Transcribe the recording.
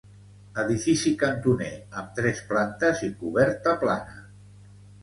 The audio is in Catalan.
Edifici cantoner, amb tres plantes i coberta plana.